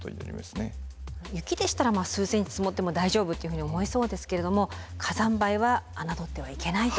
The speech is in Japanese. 雪でしたら数ｃｍ積もっても大丈夫というふうに思えそうですけれども火山灰は侮ってはいけないと。